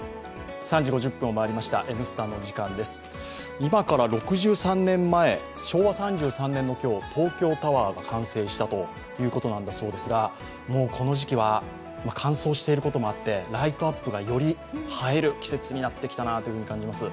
今から６３年前、昭和３３年の今日、東京タワーが完成したということなんですがもうこの時期は乾燥していることもあってライトアップがより映える季節になってきたなと感じます。